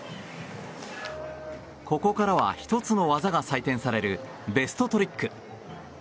ここからは１つの技が採点されるベストトリック。